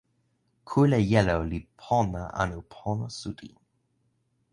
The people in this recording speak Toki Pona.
kule jelo li pona anu pona suli.